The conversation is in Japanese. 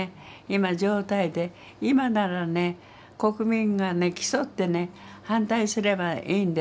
今状態で今ならね国民がね競ってね反対すればいいんですから。